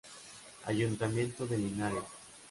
Ayuntamiento de Linares.